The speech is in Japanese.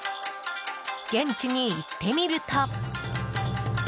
現地に行ってみると。